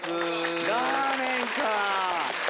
ラーメンか。